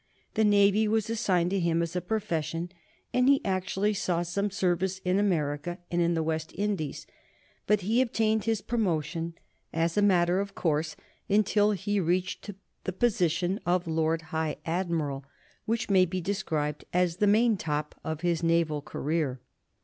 The Navy was assigned to him as a profession, and he actually saw some service in America and in the West Indies, but he obtained his promotion as a matter of course until he reached the position of Lord High Admiral, which may be described as the main top of his naval career.